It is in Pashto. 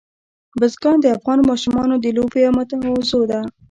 بزګان د افغان ماشومانو د لوبو یوه موضوع ده.